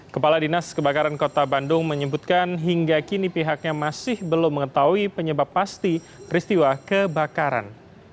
kepala dinas kebakaran kota bandung menyebutkan hingga kini pihaknya masih belum mengetahui penyebab pasti peristiwa kebakaran